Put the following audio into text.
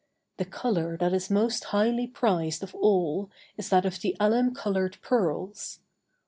The color that is most highly prized of all is that of the alum colored pearls.